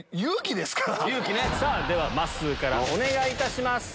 ではまっすーからお願いいたします。